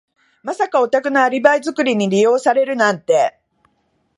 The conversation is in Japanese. まさかお宅のアリバイ作りに利用されるなんて。